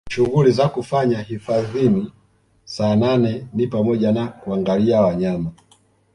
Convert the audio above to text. Shughuli za kufanya hifadhini Saanane ni pamoja na kuangalia wanyama